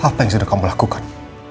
apa yang sudah kamu lakukan